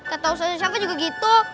kata usaha siapa juga gitu